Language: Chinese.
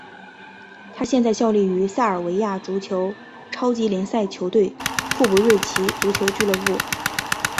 他现在效力于塞尔维亚足球超级联赛球队库卡瑞奇足球俱乐部。